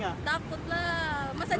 masa jalan kaki masih jauh